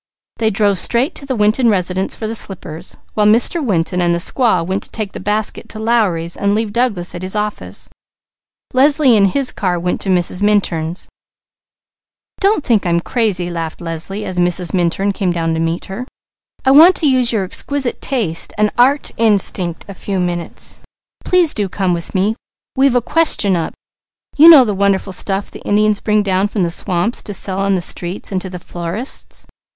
They drove straight to the Winton residence for the slippers. While Mr. Winton and the squaw went to take the baskets to Lowry's and leave Douglas at his office, Leslie in his car went to Mrs. Minturn's. "Don't think I'm crazy," laughed Leslie, as Mrs. Minturn came down to meet her. "I want to use your exquisite taste and art instinct a few minutes. Please do come with me. We've a question up. You know the wonderful stuff the Indians bring down from the swamps to sell on the streets and to the florists?"